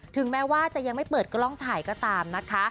ถึงแม้ว่าจะยังไม่เปิดกล้องถ่ายก็ตามนะคะ